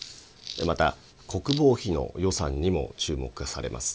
また、国防費の予算にも注目されます。